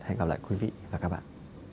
hẹn gặp lại quý vị và các bạn